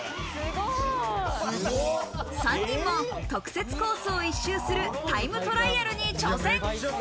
３人も特設コースを一周するタイムトライアルに挑戦。